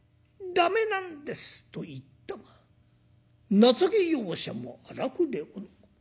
駄目なんです」と言ったが情け容赦も荒くれ者。